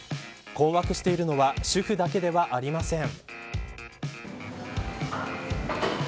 困惑しているのは主婦だけではありません。